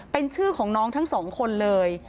เป็นชื่อของน้องทั้งสองคนเลย